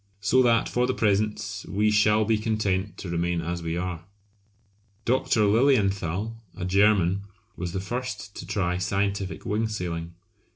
So that for the present we shall be content to remain as we are! Dr. Lilienthal, a German, was the first to try scientific wing sailing.